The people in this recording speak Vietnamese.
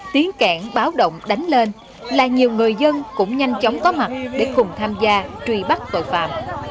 tiến kẻ báo động đánh lên là nhiều người dân cũng nhanh chóng có mặt để cùng tham gia truy bắt tội phạm